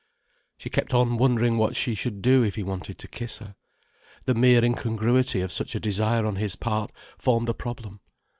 She kept on wondering what she should do if he wanted to kiss her. The mere incongruity of such a desire on his part formed a problem.